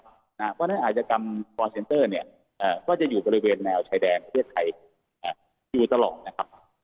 เพราะฉะนั้นอาจกรรมคอร์เซนเตอร์เนี่ยก็จะอยู่บริเวณแนวชายแดนประเทศไทยอยู่ตลอดนะครับ